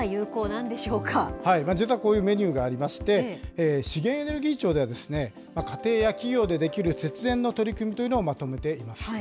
実はこういうメニューがありまして、資源エネルギー庁では、家庭や企業でできる節電の取り組みというのをまとめています。